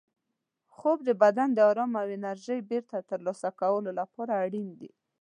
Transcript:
خوب د بدن د ارام او انرژۍ بېرته ترلاسه کولو لپاره اړین دی.